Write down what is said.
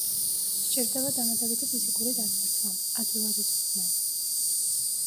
სჭირდება დამატებითი ფიზიკური დატვირთვა, ადვილად იწვრთნება.